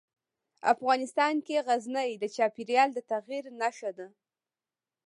افغانستان کې غزني د چاپېریال د تغیر نښه ده.